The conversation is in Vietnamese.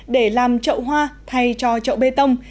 để làm chậu hoa thay cho chậu bê tông